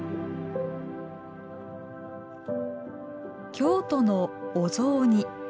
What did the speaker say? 京都のお雑煮。